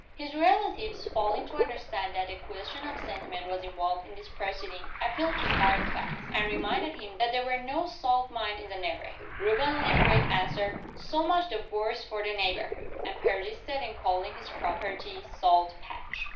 His relatives, failing to understand that a question of sentiment was involved in this proceeding, appealed to hard facts, and reminded him that there were no salt mines in the neighborhood. Reuben Limbrick answered, "So much the worse for the neighborhood" and persisted in calling his property, "Salt Patch."